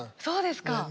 そうですか。